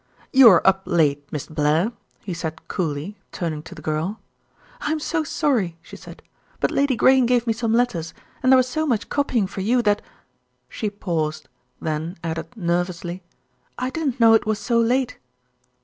"You are up late, Miss Blair," he said coolly, turning to the girl. "I'm so sorry," she said; "but Lady Grayne gave me some letters, and there was so much copying for you that " She paused, then added nervously, "I didn't know it was so late."